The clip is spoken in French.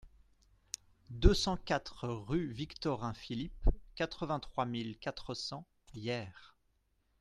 deux cent quatre rue Victorin Philip, quatre-vingt-trois mille quatre cents Hyères